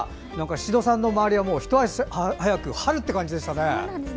宍戸さんの周りはひと足早く春って感じでしたね。